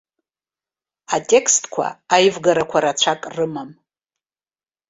Атекстқәа аивгарақәа рацәак рымам.